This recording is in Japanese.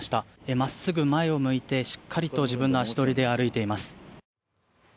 真っすぐ前を向いてしっかりと自分の足取りで歩いています。